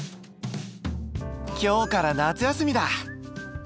今日から夏休みだ。